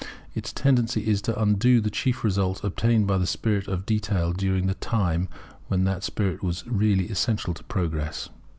Its tendency is to undo the chief results obtained by the spirit of detail during the time when that spirit was really essential to progress.